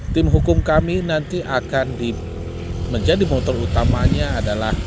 tim hukum kami nanti akan menjadi motor utamanya adalah